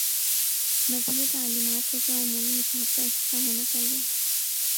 مذہبی تعلیمات کو کیا عمومی نصاب کا حصہ ہو نا چاہیے؟